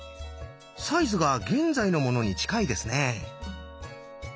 サイズが現在のものに近いですね。